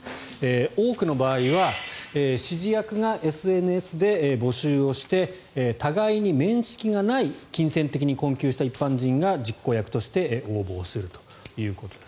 多くの場合は指示役がＳＮＳで募集して互いに面識がない金銭的に困窮した一般人が実行役として応募をするということです。